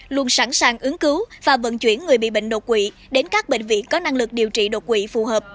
luôn sẵn sàng ứng cứu và vận chuyển người bị bệnh đột quỵ đến các bệnh viện có năng lực điều trị đột quỷ phù hợp